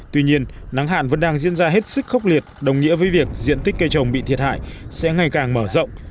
tuy nhiên nắng hạn vẫn đang diễn ra hết sức khốc liệt đồng nghĩa với việc diện tích cây trồng bị thiệt hại sẽ ngày càng mở rộng